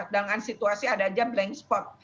dalam situasi ada aja blank spot